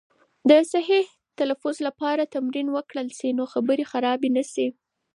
د صحیح تلفظ لپاره تمرین وکړل سي، نو خبرې خرابې نه سي.